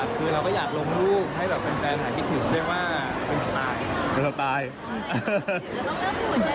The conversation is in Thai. เราก็อยากลงลูกให้แฟนหาธิถือ